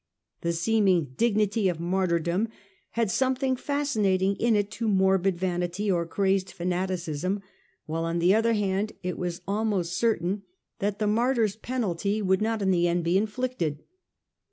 The see ming dig nity of martyrdom had something fascinating in it to morbid vanity or crazy fanaticism, while on the other hand it was almost certain that the martyr's penalty would 3842—9, 1850, 1872. REGICIDAL MOUNTEBANKERY. 161 not in the end be inflicted.